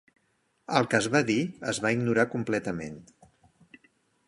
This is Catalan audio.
El que es va dir es va ignorar completament.